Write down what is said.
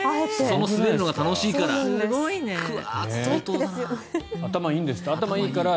その滑るのが楽しいから。